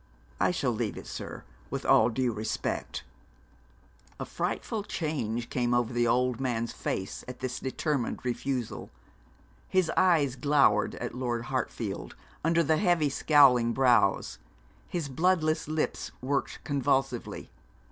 'I shall leave it, sir, with all due respect.' A frightful change came over the old man's face at this determined refusal. His eyes glowered at Lord Hartfield under the heavy scowling brows; his bloodless lips worked convulsively.